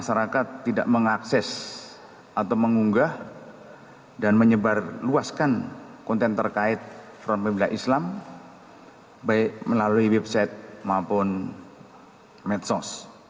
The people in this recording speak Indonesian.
masyarakat tidak mengakses atau mengunggah dan menyebar luaskan konten terkait front pembela islam baik melalui website maupun medsos